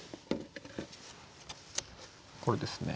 これですね。